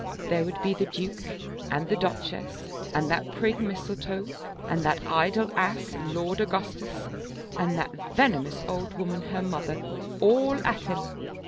There would be the Duke and the Duchess and that prig Mistletoe, and that idle ass Lord Augustus, and that venomous old woman her mother, all at him.